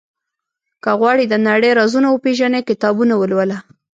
• که غواړې د نړۍ رازونه وپېژنې، کتابونه ولوله.